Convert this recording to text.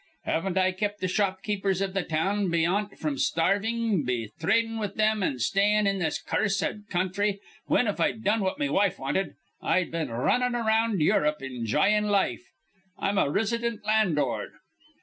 Haven't I kept th' shopkeepers iv th' town beyant fr'm starvin' be thradin' with thim an' stayin' in this cur rsed counthry, whin, if I'd done what me wife wanted, I'd been r runnin' around Europe, enj'yin' life? I'm a risidint landlord.